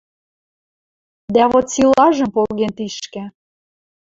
Дӓ вот силажым поген тишкӹ